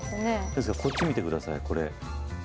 こっち見てください、これ。